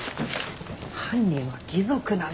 犯人は義賊なんだ。